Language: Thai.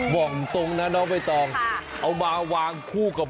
บอกตรงนะน้องใบตองเอามาวางคู่กับ